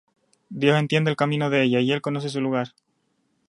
Dios entiende el camino de ella, Y él conoce su lugar.